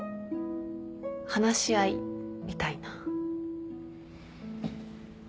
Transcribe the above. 話し合いみたいな。